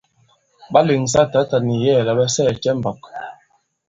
Ɓa lèŋsa tǎta nì yɛ̌ɛ̀ la ɓa sɛɛ̀ cɛ i mbɔ̄k?